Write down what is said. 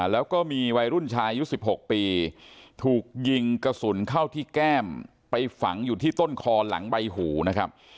แล้วก็มีวัยรุ่นชายอายุ๑๖ปีถูกยิงกระสุนเข้าที่แก้มไปฝังอยู่ที่ต้นคอหลังใบหูนะครับ